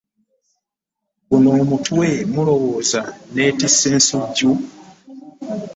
Guno omutwe mulowooza nneetisse nsujju?